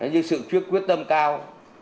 như sự quyết tâm cao